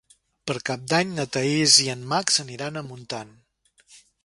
Per Cap d'Any na Thaís i en Max aniran a Montant.